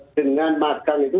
dengan makan itu